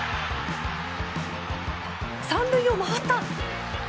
３塁を回った！